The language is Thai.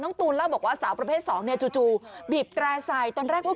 น้องตูนเล่าบอกว่าสาวประเภท๒เนี่ยจู๊